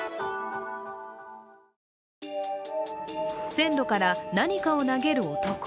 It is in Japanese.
線路から何かを投げる男。